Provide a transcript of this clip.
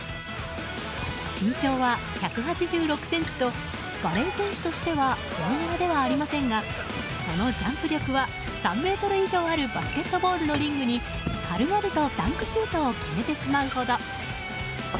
身長は１８６ｃｍとバレー選手としては大柄ではありませんがそのジャンプ力は３ｍ以上あるバスケットボールのリングに軽々とダンクシュートを決めてしまうほど。